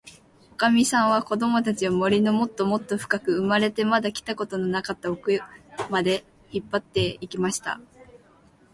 おかみさんは、こどもたちを、森のもっともっとふかく、生まれてまだ来たことのなかったおくまで、引っぱって行きました。